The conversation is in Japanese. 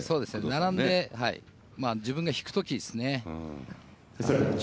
並んで、自分が引くときですね。